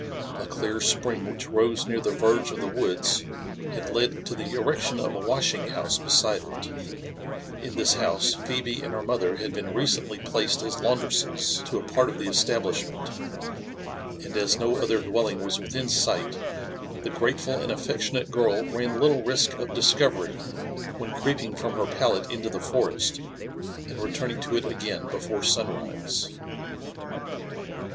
A clear spring which rose near the verge of the woods had led to the erection of a washing house beside, it : in this house Phebe and her mothej had been recently placed as laundresses JONATHAN JEFFERSON WHITLAW. 69 to a part of the establishment : and as no other dwelling was within sight, the grateful and affectionate girl ran little risk of discoyery when creeping from her pallet into the forest, and returning to it again before sun rise.